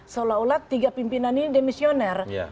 seolah olah tiga pimpinan ini demisioner